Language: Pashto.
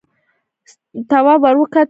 تواب ور وکتل: